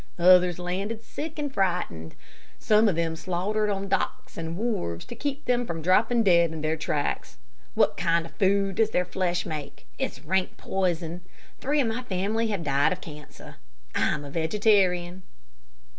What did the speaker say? Others landed sick and frightened. Some of them slaughtered on docks and wharves to keep them from dropping dead in their tracks. What kind of food does their flesh make? It's rank poison. Three of my family have died of cancer. I am a vegetarian."